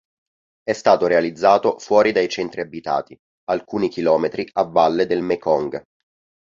È stato realizzato fuori dai centri abitati, alcuni chilometri a valle del Mekong.